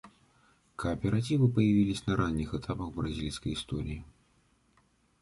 Кооперативы появились на ранних этапах бразильской истории.